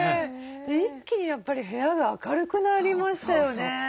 一気にやっぱり部屋が明るくなりましたよね。